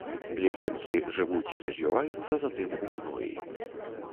Лічынкі жывуць і развіваюцца затым у гноі.